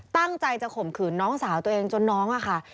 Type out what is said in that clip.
ตั้งใจจะข่มขืนน้องสาวตัวเองจนน้องอะค่ะ